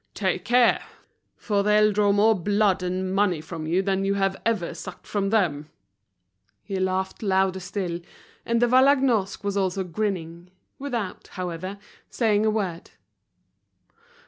Take care, for they'll draw more blood and money from you than you have ever sucked from them." He laughed louder still; and De Vallagnosc was also grinning, without, however, saying a word.